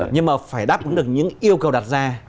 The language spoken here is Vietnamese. nhưng mà phải đáp ứng được những yêu cầu đặt ra